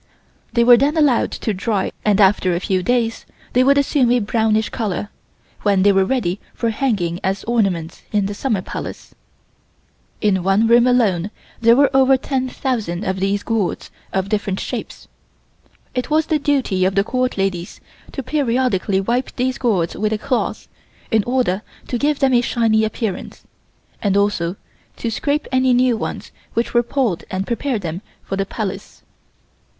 They were then allowed to dry and after a few days they would assume a brownish color, when they were ready for hanging as ornaments in the Summer Palace. In one room alone there were over 10,000 of these gourds, of different shapes. It was the duty of the Court ladies to periodically wipe these gourds with a cloth, in order to give them a shiny appearance, and also to scrape any new ones which were pulled and prepare them for the Palace.